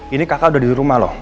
ini kakak udah di rumah loh